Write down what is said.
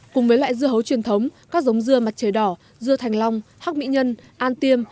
cùng với loại dưa hấu truyền thống các giống dưa mặt trời đỏ dưa thành lòng hắc mỹ nhân an tiêm